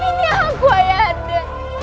ini aku ayah anda